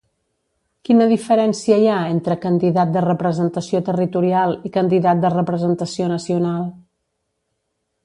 Quina diferència hi ha entre candidat de representació territorial i candidat de representació nacional?